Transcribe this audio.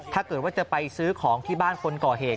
ถ้าเกิดว่าจะไปซื้อของที่บ้านคนก่อเหตุ